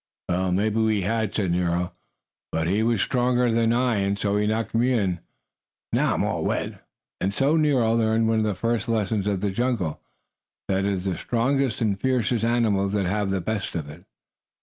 "Well, maybe we had," said Nero. "But he was stronger than I, and so he knocked me in. Now I'm all wet!" And so Nero learned one of the first lessons of the jungle, that it is the strongest and fiercest animals that have the best of it.